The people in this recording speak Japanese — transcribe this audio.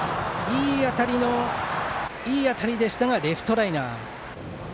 いい当たりでしたがレフトライナー。